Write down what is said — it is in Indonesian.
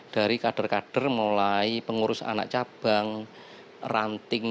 dari kader kader mulai pengurus anak cabang ranting